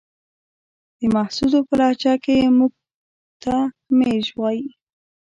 د محسودو په لهجه کې موږ ته ميژ وايې.